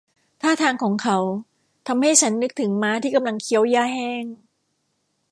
ท่าทางของเขาทำให้ฉันนึกถึงม้าที่กำลังเคี้ยวหญ้าแห้ง